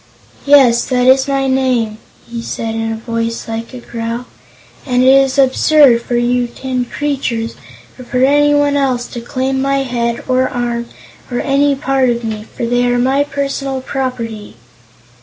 "Yes, that is my name," he said in a voice like a growl, "and it is absurd for you tin creatures, or for anyone else, to claim my head, or arm, or any part of me, for they are my personal property."